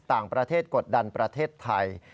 ต่างประเทศกดดันประเทศไทย